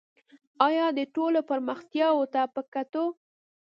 آیا دې ټولو پرمختیاوو ته په کتو